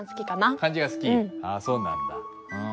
あっそうなんだ。